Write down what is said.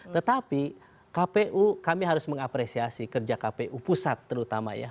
tetapi kpu kami harus mengapresiasi kerja kpu pusat terutama ya